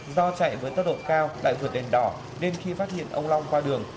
do chạy với tốc độ cao lại vượt đèn đỏ nên khi phát hiện ông long qua đường